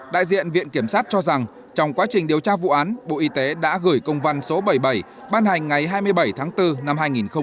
đại diện viện kiểm sát cho rằng trong quá trình điều tra vụ án bộ y tế đã gửi công văn số bảy mươi bảy ban hành ngày hai mươi bảy tháng bốn năm hai nghìn hai mươi